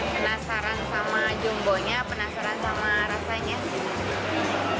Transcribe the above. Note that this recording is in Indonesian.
penasaran sama jumbo nya penasaran sama rasanya sih